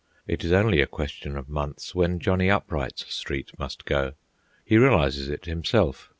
It is only a question of months when Johnny Upright's street must go. He realises it himself.